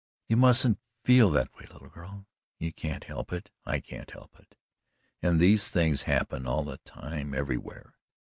"You mustn't feel that way, little girl. You can't help it I can't help it and these things happen all the time, everywhere.